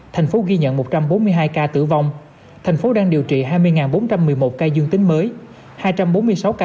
thành phố ghi nhận một trăm bốn mươi hai ca tử vong thành phố đang điều trị hai mươi bốn trăm một mươi một ca dương tính mới hai trăm bốn mươi sáu ca